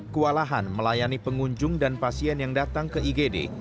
kewalahan melayani pengunjung dan pasien yang datang ke igd